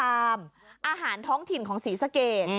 อาหารท้องถิ่นของศรีสะเกด